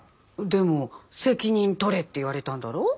でも責任取れって言われたんだろ？